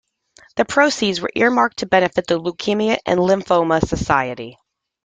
The proceeds were earmarked to benefit The Leukemia and Lymphoma Society.